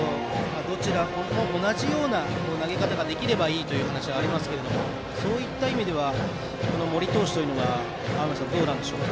どちらも同じような投げ方ができればいいという話がありますがそういった意味では森投手というのは青山さん、どうなんでしょうか。